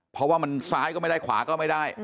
เพราะว่ามันซ้ายก็ไม่ได้ขวาก็ไม่ได้